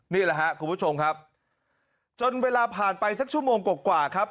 นี่แหละครับคุณผู้ชมครับจนเวลาผ่านไปสักชั่วโมงกว่าครับ